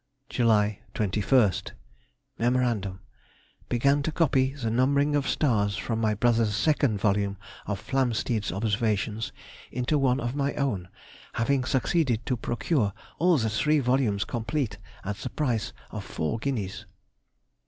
July 21st.— Mem. Began to copy the numbering of stars from my brother's 2nd volume of Flamsteed's Observations into one of my own, having succeeded to procure all the three volumes complete at the price of four guineas.